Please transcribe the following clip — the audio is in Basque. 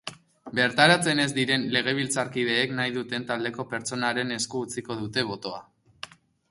Bertaratzen ez diren legebiltzarkideek nahi duten taldeko pertsonaren esku utziko dute botoa.